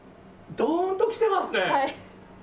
どーんときてますね。